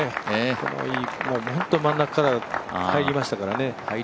本当に真ん中から入りましたからね。